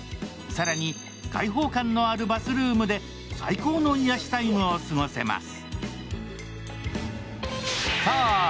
更に開放感のあるバスルームで最高の癒やしタイムを過ごせます。